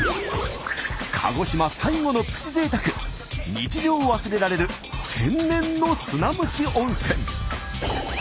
日常を忘れられる天然の砂蒸し温泉。